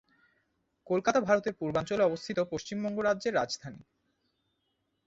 কলকাতা ভারতের পূর্বাঞ্চলে অবস্থিত পশ্চিমবঙ্গ রাজ্যের রাজধানী।